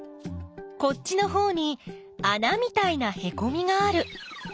こっちのほうにあなみたいなへこみがある。